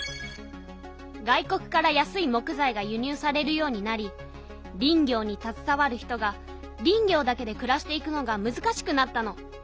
外国から安い木材がゆ入されるようになり林業にたずさわる人が林業だけでくらしていくのがむずかしくなったの。